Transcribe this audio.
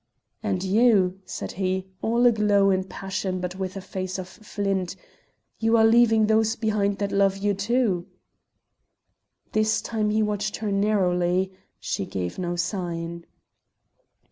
"And you," said he, all aglow in passion but with a face of flint, "you are leaving those behind that love you too." This time he watched her narrowly; she gave no sign.